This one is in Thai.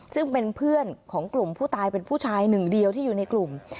ซึ่งเป็นเพื่อนของกลุ่มผู้ตายเป็นผู้ชายหนึ่งเดียวที่อยู่ในกลุ่ม